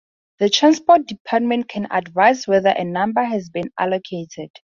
The Transport Department can advise whether a number has been allocated.